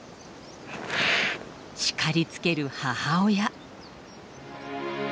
叱りつける母親。